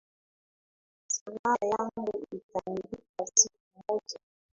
Sanaa yangu itanilipa siku moja